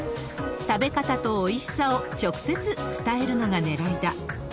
食べ方とおいしさを直接伝えるのがねらいだ。